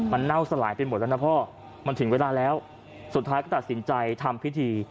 มันเน่าสลายไปหมดแล้วนะพ่อมันถึงเวลาแล้วสุดท้ายก็ตัดสินใจทำพิธี